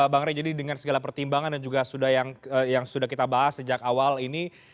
bang rey jadi dengan segala pertimbangan dan juga yang sudah kita bahas sejak awal ini